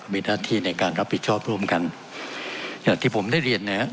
มีหน้าที่ในการรับผิดชอบร่วมกันอย่างที่ผมได้เรียนนะครับ